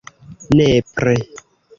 nepre